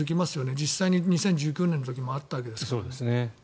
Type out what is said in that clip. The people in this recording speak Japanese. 実際に２０１９年の時もあったわけですからね。